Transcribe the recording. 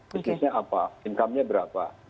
bisnisnya apa income nya berapa